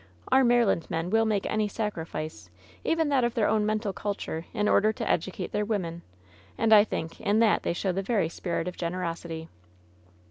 Our Maryland men will make any sacrifice, even that of their own mental culture, in order to educate their women, and I think in that they show the very spirit of generosity.'